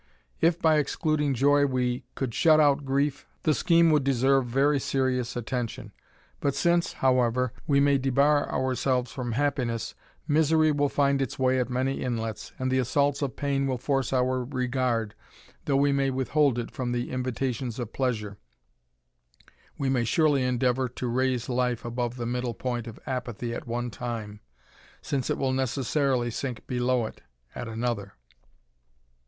If by excluding joy we could shut out grief, the scheme would deserve very serious attention ; but since, however we may debar our selves from happiness, misery will find its way at many inlets, and the assaults of pain will force our regard, though we may withhold it from the invitations of pleasure, we may surely endeavour to raise life above the middle point of apathy at one time, since it will necessarily sink below it at another.